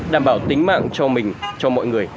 đảm bảo tính mạng cho mình cho mọi người